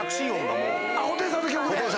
あっ布袋さんの曲で？